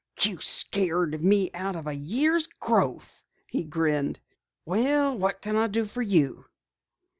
"You scared me out of a year's growth," he grinned. "Well, what can I do for you?"